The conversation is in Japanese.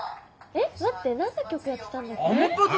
えっ待って何の曲やってたんだっけ？